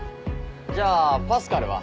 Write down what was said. じゃあパスカルは？